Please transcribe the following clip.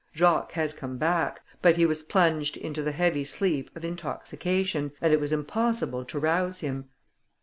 Jacques had come back, but he was plunged into the heavy sleep of intoxication, and it was impossible to rouse him.